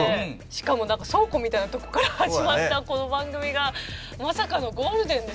しかもなんか倉庫みたいなとこから始まったこの番組がまさかのゴールデンですよ。